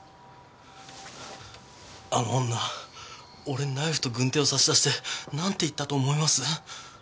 俺にナイフと軍手を差し出してなんて言ったと思います？